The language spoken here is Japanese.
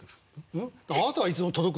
うん。